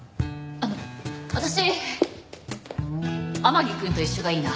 あの私天樹くんと一緒がいいな。